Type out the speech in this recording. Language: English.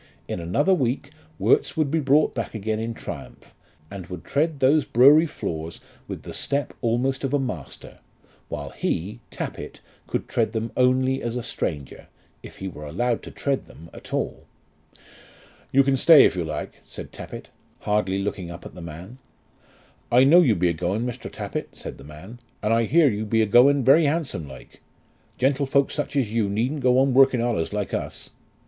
In another week Worts would be brought back again in triumph, and would tread those brewery floors with the step almost of a master, while he, Tappitt, could tread them only as a stranger, if he were allowed to tread them at all. "You can stay if you like," said Tappitt, hardly looking up at the man. "I know you be a going, Mr. Tappitt," said the man; "and I hear you be a going very handsome like. Gentlefolk such as yeu needn't go on working allays like uz.